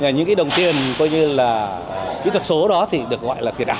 những cái đồng tiền coi như là kỹ thuật số đó thì được gọi là tiền ảo